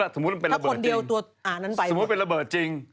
สมมุติเป็นระเบิดจริงสมมุติเป็นระเบิดจริง